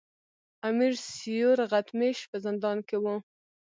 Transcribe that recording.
امیر سیورغتمیش په زندان کې وو.